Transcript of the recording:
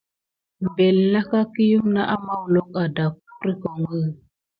Mbeli sika ɗe daku adef simi iki liok siɗef macra mi.